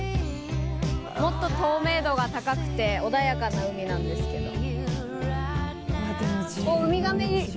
もっと透明度が高くて穏やかな海なんですけど。